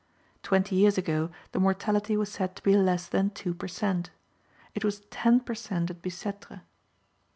Twenty years ago the mortality was said to be less than two per cent.; it was ten per cent. at Bicêtre.